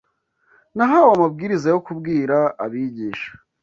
Nahawe amabwiriza yo kubwira abigisha